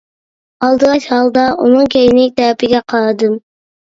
ئالدىراش ھالدا ئۇنىڭ كەينى تەرىپىگە قارىدىم.